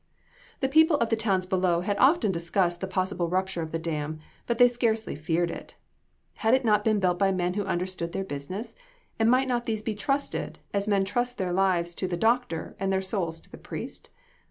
The people of the towns below had often discussed the possible rupture of the dam, but they scarcely feared it. Had it not been built by men who understood their business; and might not these be trusted, as men trust their lives to the doctor and their souls to the priest?